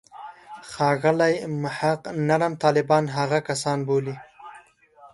ښاغلی محق نرم طالبان هغه کسان بولي.